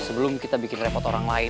sebelum kita bikin repot orang lain